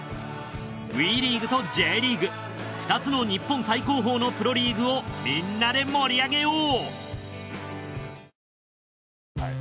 ＷＥリーグとＪリーグ２つの日本最高峰のプロリーグをみんなで盛り上げよう！